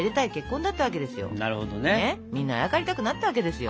みんなあやかりたくなったわけですよ。